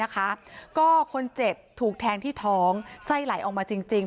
ก็คนเจ็บถูกแทงที่ท้องไส้ไหลออกมาจริง